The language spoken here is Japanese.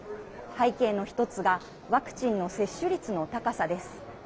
背景の１つがワクチンの接種率の高さです。